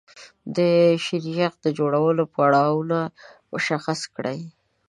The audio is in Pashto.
د شیریخ د جوړولو پړاوونه مشخص کړئ.